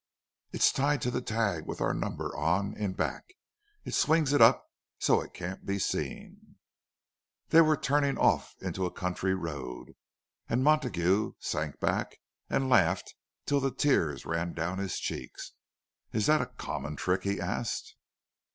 "It's tied to the tag with our number on, in back. It swings it up so it can't be seen." They were turning off into a country road, and Montague sank back and laughed till the tears ran down his cheeks. "Is that a common trick?" he asked.